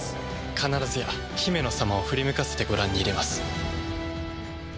必ずやヒメノ様を振り向かせてご覧に入れます。